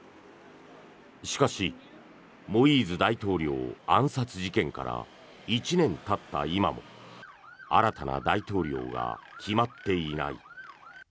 しかしモイーズ大統領暗殺事件から１年たった今も新たな大統領が決まっていない。